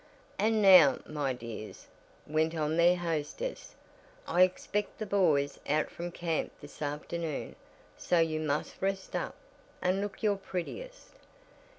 "And now, my dears," went on their hostess, "I expect the boys out from camp this afternoon, so you must rest up, and look your prettiest."